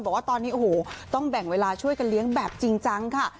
บอกว่าตอนนี้โอ้โหต้องแบ่งเวลาช่วยกันเลี้ยงแบบจริงจังค่ะ